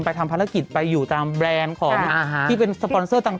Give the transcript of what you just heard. ทำภารกิจไปอยู่ตามแบรนด์ของที่เป็นสปอนเซอร์ต่าง